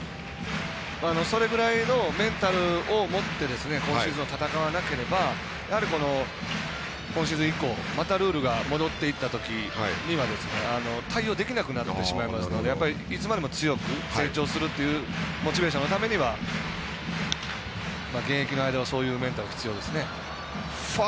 それぐらいのメンタルをもって今シーズンは戦わなければやはり、今シーズン以降またルールが戻っていったときには対応できなくなってしまいますのでいつまでも強く成長するというモチベーションのためには現役の間はそういうメンタルが必要ですね。